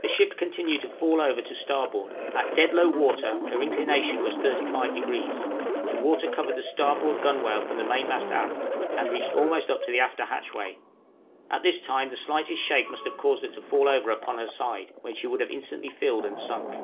The ship continued to fall over to starboard; at dead low water her inclination was 35°; the water covered the starboard gunwale from the mainmast aft, and reached almost up to the after hatchway; at this time the slightest shake must have caused her to fall over upon her side, when she would have instantly filled and sunk.